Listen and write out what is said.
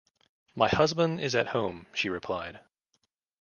“My husband is at home,” she replied.